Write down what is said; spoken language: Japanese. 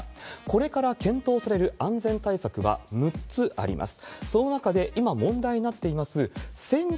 これから検討される安全対策は６つあります。